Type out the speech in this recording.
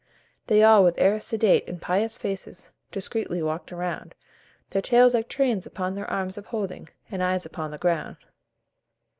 They all, with air sedate and pious faces, Discreetly walked around, Their tails like trains upon their arms upholding, And eyes upon the ground.